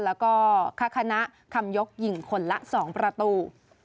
แล้วก็คณะคำยกยิงคนละ๒ประตู